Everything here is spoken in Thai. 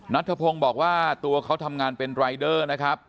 นัทธพงศ์บอกว่าตัวเขาทำงานเป็นรายเดอร์นะครับ